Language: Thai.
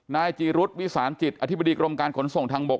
นายจีรุษวิสานจิตอธิบดีกรมการขนส่งทางบก